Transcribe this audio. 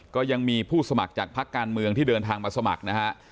ก็ยังมีผู้สมัครจากพักการเมืองที่เดินทางมาสมัครนะฮะ